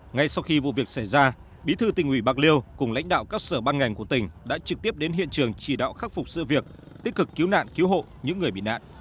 ngay sau khi vụ việc xảy ra bí thư tỉnh ủy bạc liêu cùng lãnh đạo các sở ban ngành của tỉnh đã trực tiếp đến hiện trường chỉ đạo khắc phục sự việc tích cực cứu nạn cứu hộ những người bị nạn